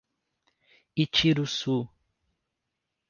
Itiruçu